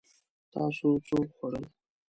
تاسو څه وخوړل؟